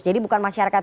jadi bukan masyarakat